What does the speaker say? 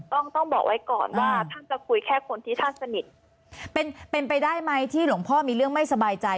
ต้องต้องบอกไว้ก่อนว่าท่านจะคุยแค่คนที่ท่านสนิทเป็นเป็นไปได้ไหมที่หลวงพ่อมีเรื่องไม่สบายใจ